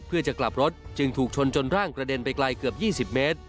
เพื่อจะกลับรถจึงถูกชนจนร่างกระเด็นไปไกลเกือบ๒๐เมตร